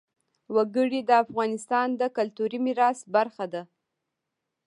وګړي د افغانستان د کلتوري میراث برخه ده.